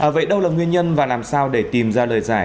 vậy đâu là nguyên nhân và làm sao để tìm ra lời giải